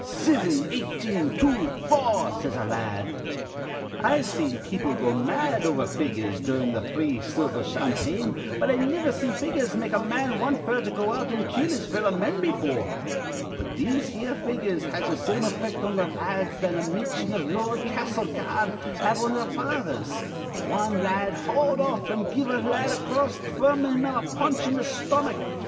'Sivin, eighteen, two, four,' says a la ad. I've seen people go mad over figures durin' th' free silver campaign, but I niver see figures make a man want f'r to go out an' kill his fellow men befure. But these here figures had th' same effect on th' la ads that a mintion iv Lord Castlereagh'd have on their fathers. Wan la ad hauled off, an' give a la ad acrost fr'm him a punch in th' stomach.